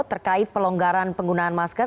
terkait pelonggaran penggunaan masker